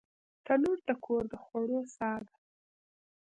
تنور د کور د خوړو ساه ده